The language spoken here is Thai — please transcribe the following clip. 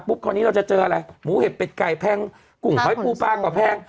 คราวนี้เราจะเจออะไรหมูเห็ดเป็ดไก่แพงกุ่งหอยปูปลาก็แพง